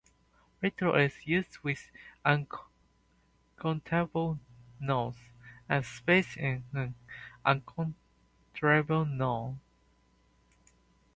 "Little" is used with uncountable nouns, and "space" is an uncountable noun.